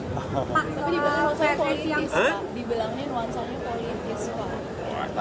tapi di belakangnya ruang soal polis pak